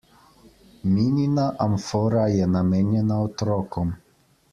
Minina amfora je namenjena otrokom.